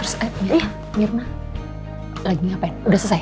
terus mirna lagi ngapain udah selesai